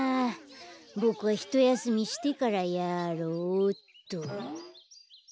ボクはひとやすみしてからやろうっと。